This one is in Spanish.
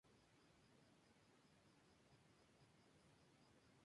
Emplazada donde se encontraba la antigua escuela del pueblo, está la asociación San Roque.